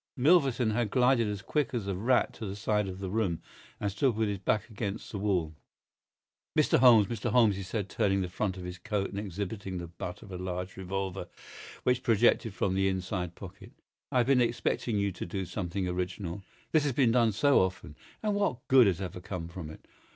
Milverton had glided as quick as a rat to the side of the room, and stood with his back against the wall. "Mr. Holmes, Mr. Holmes," he said, turning the front of his coat and exhibiting the butt of a large revolver, which projected from the inside pocket. "I have been expecting you to do something original. This has been done so often, and what good has ever come from it?